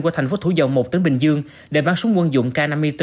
qua thành phố thủ dầu một tỉnh bình dương để bán súng quân dụng k năm mươi bốn